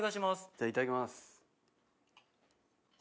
じゃあいただきます。